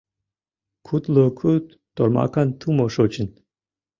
Кудло куд тормакан тумо шочын.